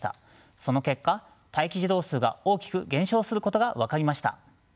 その結果待機児童数が大きく減少することが分かりました。